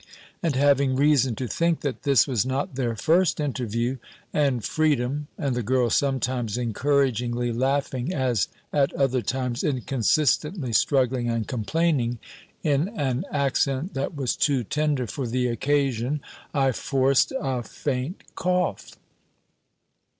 And having reason to think, that this was not their first interview, and freedom and the girl sometimes encouragingly laughing, as at other times, inconsistently, struggling and complaining, in an accent that was too tender for the occasion, I forced a faint cough.